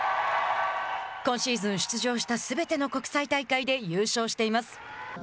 今シーズン、出場したすべての国際大会で優勝しています。